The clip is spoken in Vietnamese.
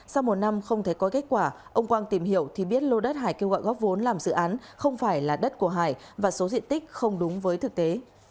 sau một năm không thấy có kết quả ông quang tìm hiểu thì biết lô đất hải kêu gọi góp vốn làm dự án không phải là đất của hải và số diện tích không đúng với thực tế